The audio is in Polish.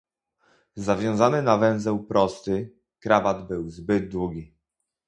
Zawiązany na węzeł prosty, krawat był zbyt długi.